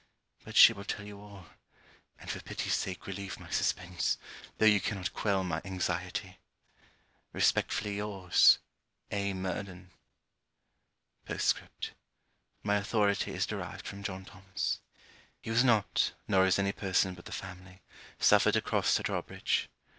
But she will tell you all; and for pity's sake relieve my suspence, though you cannot quell my anxiety! Respectfully your's A. MURDEN P.S. My authority is derived from John Thomas. He was not, nor is any person but the family, suffered to cross the draw bridge.